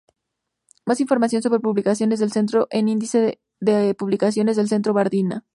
Más información sobre publicaciones del centro en "Índice de publicaciones del Centro Bardina".